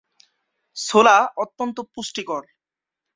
ছোলা অত্যন্ত পুষ্টিকর।